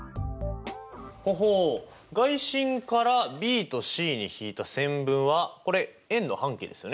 ほほ外心からＢとＣに引いた線分はこれ円の半径ですよね。